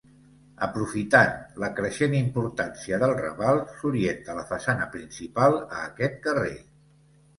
Aprofitant la creixent importància del Raval, s'orienta la façana principal a aquest carrer.